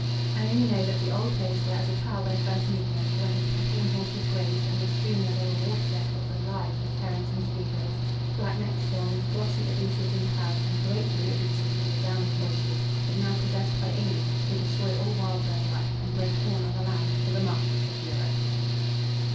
I only know that the old place where as a child I first knew him, where his cattle and horses grazed and the stream where they were watered was alive with herons and spoonbills, black necked swans, glossy ibises in clouds, and great blue ibises with resounding voices, is now possessed by aliens, who destroy all wild bird life and grow corn on the land for the markets of Europe.